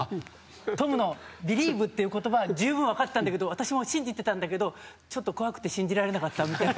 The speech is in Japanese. トムのビリーブって言葉は十分、分かったんだけど私も信じてたんだけどちょっと怖くて信じられなかったみたい。